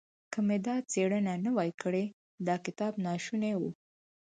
که مې دا څېړنه نه وای کړې دا کتاب ناشونی و.